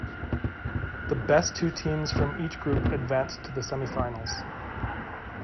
The best two teams from each group advanced to the semifinals.